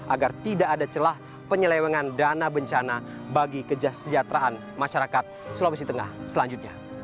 agar tidak ada celah penyelewengan dana bencana bagi kesejahteraan masyarakat sulawesi tengah selanjutnya